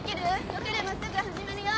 よければすぐ始めるよ。